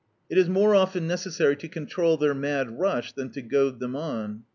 It is more often necessaiy to control their mad rush than to goad them on.